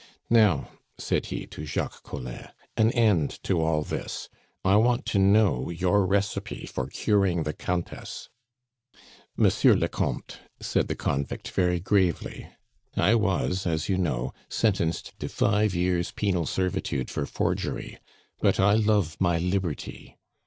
"Now," said he to Jacques Collin, "an end to all this! I want to know your recipe for curing the Countess." "Monsieur le Comte," said the convict very gravely, "I was, as you know, sentenced to five years' penal servitude for forgery. But I love my liberty.